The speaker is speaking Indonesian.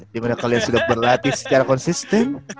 dimana kalian sudah berlatih secara konsisten